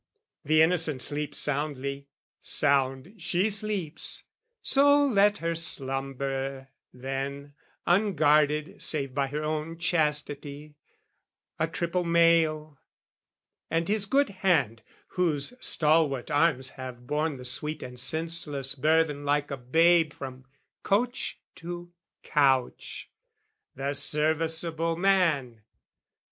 The innocent sleep soundly: sound she sleeps. So let her slumber, then, unguarded save By her own chastity, a triple mail, And his good hand whose stalwart arms have borne The sweet and senseless burthen like a babe From coach to couch, the serviceable man!